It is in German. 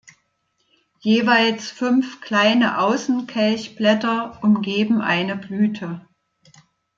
Jeweils fünf kleine Außenkelchblätter umgeben eine Blüte.